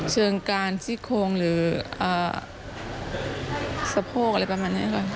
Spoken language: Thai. เชิงการซี่โครงหรือสะโพกอะไรประมาณนี้ค่ะ